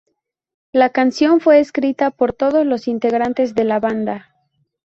La canción fue escrita por todos los integrantes de la banda.